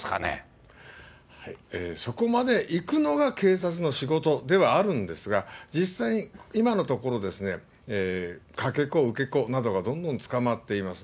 そこまでいくのが警察の仕事ではあるんですが、実際、今のところ、かけ子、受け子などがどんどん捕まっています。